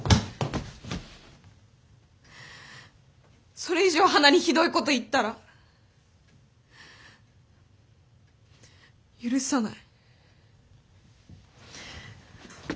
それ以上花にひどいこと言ったら許さない。